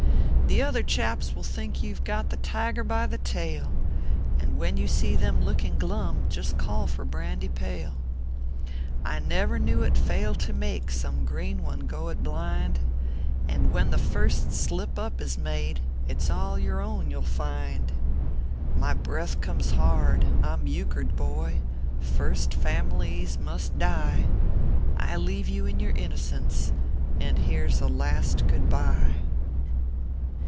The other chaps will think you ve got The tiger by the tail; And when you see them looking glum, Just call for brandy pale 1 ORPHEUS C. KERB PAPERS. 79 I never knew it fail to make Some green one go it blind; And when the first slip up is made, It s all your own, you ll find. My breath comes hard I m euchred, boy First Families must die; I leave you in your innocence, And here s a last good bye.